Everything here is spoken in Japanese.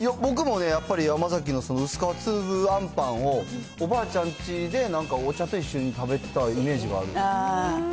僕もね、やっぱり山崎のその薄皮つぶあんパンをおばあちゃんちでなんかお茶と一緒に食べてたイメージがある。